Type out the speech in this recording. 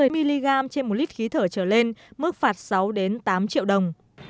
bốn mươi mg trên một lít khí thở trở lên mức phạt sáu đến tám triệu đồng